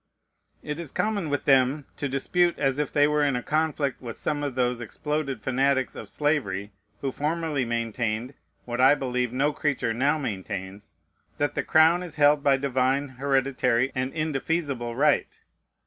It is common with them to dispute as if they were in a conflict with some of those exploded fanatics of slavery who formerly maintained, what I believe no creature now maintains, "that the crown is held by divine, hereditary, and indefeasible right."